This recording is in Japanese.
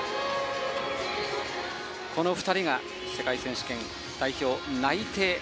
成田、谷川が世界選手権代表内定。